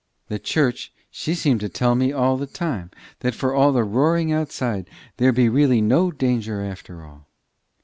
The church she seem to tell me all the time, that for all the roaring outside, there be really no danger after all.